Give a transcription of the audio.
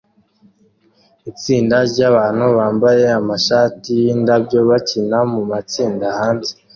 Itsinda ryabantu bambaye amashati yindabyo bakina mumatsinda hanze